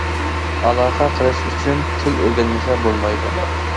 ئالاقە قىلىش ئۈچۈن تىل ئۆگەنمىسە بولمايدۇ.